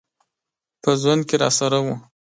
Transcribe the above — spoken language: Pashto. په ژوند کي راسره و .